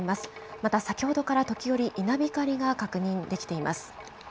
また、先ほどから時折、稲光が確認できています。